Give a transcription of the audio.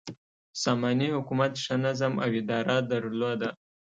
ساماني حکومت ښه نظم او اداره درلوده.